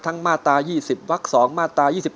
ทั้งมาตราวัก๒มาตรา